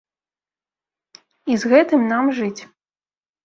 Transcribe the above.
І з гэтым нам жыць.